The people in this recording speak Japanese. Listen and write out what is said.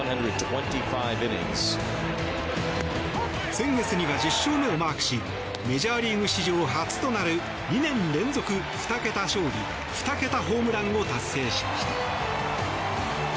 先月には１０勝目をマークしメジャーリーグ史上初となる２年連続２桁勝利２桁ホームランを達成しました。